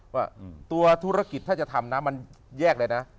ว่าตัวธุรกิจถ้าจะทำนะมันแยกเลยนะ